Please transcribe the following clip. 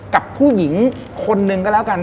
กับผู้หญิงคนหนึ่งก็แล้วกัน